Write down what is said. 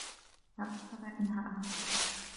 لم أستطع إنهائها.